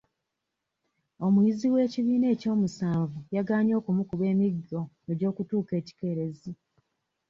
Omuyizi w'ekibiina ekyomusanvu yagaanye okumukuba emiggo gy'okutuuka ekikeerezi